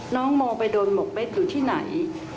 น้องโมไปโดนหมกเม็ดอยู่ที่ไหน